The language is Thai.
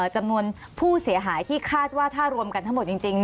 จำนวนผู้เสียหายที่คาดว่าถ้ารวมกันทั้งหมดจริง